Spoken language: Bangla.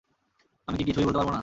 আমি কি কিছুই বলতে পারবো না?